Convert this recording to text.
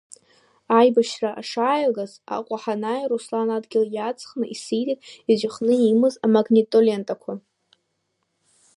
Аибашьра шааилгаз, Аҟәа ҳанааи, Руслан адгьыл иааҵхны исиҭеит иҵәахны имаз амагнитолентақәа.